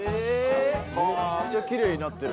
めっちゃきれいになってる。